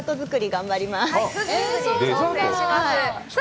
頑張ります。